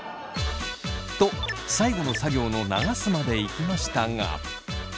と最後の作業の流すまでいきましたが。